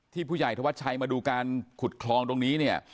ผู้ใหญ่ธวัชชัยมาดูการขุดคลองตรงนี้เนี่ย